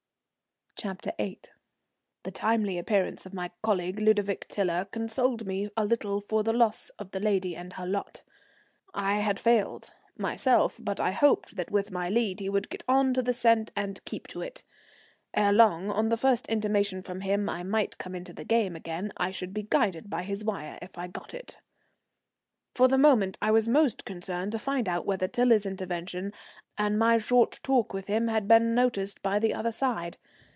CHAPTER VIII. The timely appearance of my colleague, Ludovic Tiler, consoled me a little for the loss of the lady and her lot. I had failed, myself, but I hoped that with my lead he would get on to the scent and keep to it. Ere long, on the first intimation from him I might come into the game again. I should be guided by his wire if I got it. For the moment I was most concerned to find out whether Tiler's intervention and my short talk with him had been noticed by the other side.